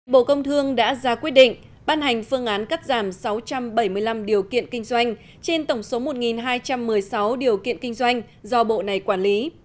bộ công thương đã ra quyết định ban hành phương án cắt giảm sáu trăm bảy mươi năm điều kiện kinh doanh trên tổng số một hai trăm một mươi sáu điều kiện kinh doanh do bộ này quản lý